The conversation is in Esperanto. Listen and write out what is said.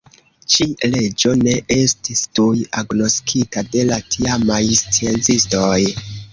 Ĉi-leĝo ne estis tuj agnoskita de la tiamaj sciencistoj.